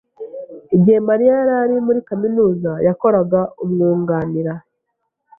Igihe Mariya yari muri kaminuza, yakoraga umwunganira.